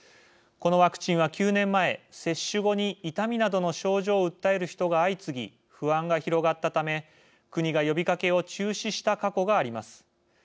このワクチンは、９年前接種後に痛みなどの症状を訴える人が相次ぎ不安が広がったため国が呼びかけを中止した過去があります。